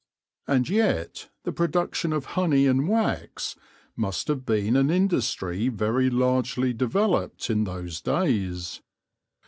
And yet the production of honey and wax must have been an industry very largely developed in those days.